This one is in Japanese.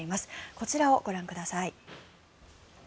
こちらをご覧ください。